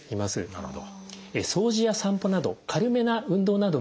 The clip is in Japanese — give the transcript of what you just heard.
なるほど。